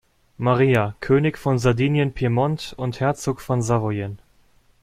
Maria, König von Sardinien-Piemont und Herzog von Savoyen.